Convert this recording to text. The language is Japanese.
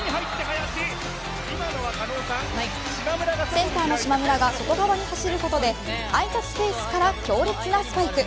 センターの島村が外側に走ることで空いたスペースから強烈なスパイク。